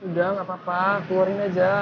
udah gak apa apa keluarin aja